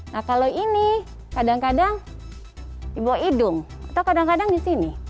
nah kalau ini kadang kadang dibawa hidung atau kadang kadang di sini